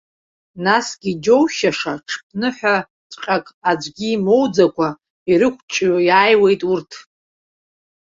Насгьы, иџьоушьаша, ҽԥныҳәаҵәҟьак аӡәгьы имоуӡакәа, ирықәҿио иаауеит урҭ!